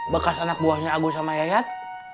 bekas anak buahnya agus sama yayat